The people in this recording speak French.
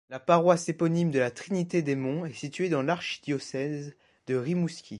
La paroisse éponyme de La Trinité-des-Monts est située dans l'Archidiocèse de Rimouski.